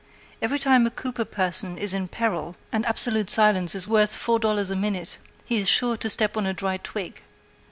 Every time a Cooper person is in peril, and absolute silence is worth four dollars a minute, he is sure to step on a dry twig.